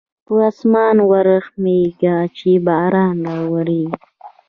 په اسمان ورحمېږه چې باران راولېږي.